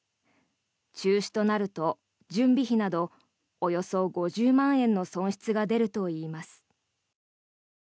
中止となると準備費などおよそ５０万円の損失が出るといいます。